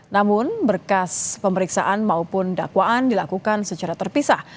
namun berkas pemeriksaan maupun dakwaan dilakukan secara terpisah